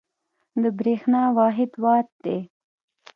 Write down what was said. د برېښنا واحد وات دی.